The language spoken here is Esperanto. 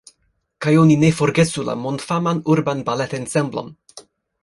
Kaj oni ne forgesu la mondfaman urban baletensemblon.